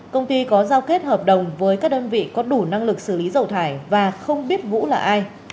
công ty có giao kết hợp đồng với các đơn vị có đủ năng lực xử lý dầu thải và không biết vũ là ai